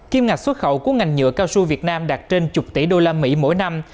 kim ngạch xuất khẩu của ngành nhựa cao su việt nam đạt trên một mươi tỷ usd mỗi năm